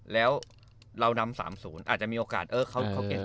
แล้วเรานำ๓๐อาจจะมีโอกาสเออเขาเก็บ